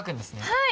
はい！